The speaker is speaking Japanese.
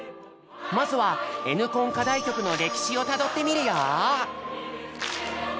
まずは「Ｎコン」課題曲の歴史をたどってみるよ！